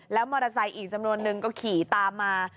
มอเตอร์ไซค์อีกจำนวนนึงก็ขี่ตามมา